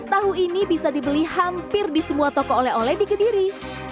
tahu ini bisa dibeli hampir di semua toko oleh oleh di kediri